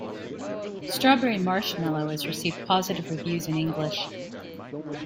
"Strawberry Marshmallow" has received positive reviews in English.